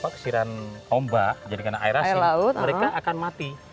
kesiran ombak jadi kena air asin mereka akan mati